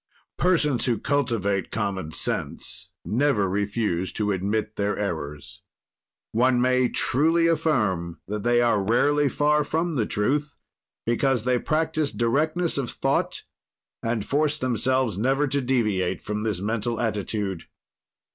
Persons who cultivate common sense never refuse to admit their errors. One may truly affirm that they are rarely far from the truth, because they practise directness of thought and force themselves never to deviate from this mental attitude.